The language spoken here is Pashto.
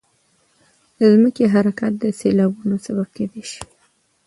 د ځمکې حرکات د سیلابونو سبب کېدای شي.